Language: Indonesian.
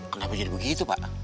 kenapa jadi begitu pak